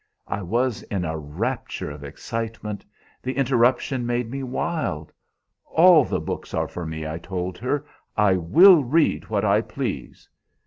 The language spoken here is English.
"I was in a rapture of excitement; the interruption made me wild. 'All the books are for me,' I told her. 'I will read what I please.'